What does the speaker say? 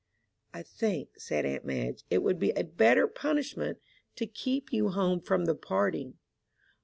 "I think," said aunt Madge, "it would be a better punishment to keep you home from the party."